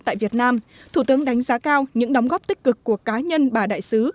tại việt nam thủ tướng đánh giá cao những đóng góp tích cực của cá nhân bà đại sứ